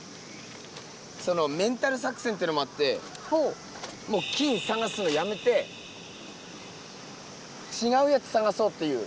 そのメンタル作戦ってのもあってもう金探すのやめてちがうやつ探そうっていう。